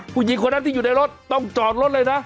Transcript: ผู้หญิงคนนั้นที่อยู่ในรถต้องจอดรถเลยนะ